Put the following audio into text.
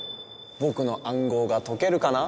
僕の暗号が解けるかな？